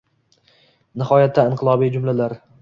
— Nihoyatda inqilobiy jumlalar...